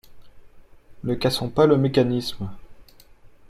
Ne cassons pas le mécanisme.